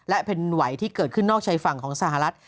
และเป็นไหวที่เกิดขึ้นนอกชายฝั่งของสหรัฐ